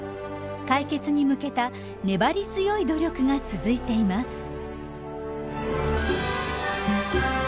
解決に向けた粘り強い努力が続いています。